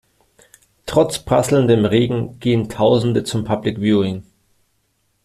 Trotz prasselndem Regen gehen tausende zum Public Viewing.